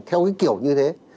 theo kiểu như thế